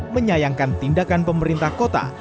menyayangkan tindakan pemerintah kota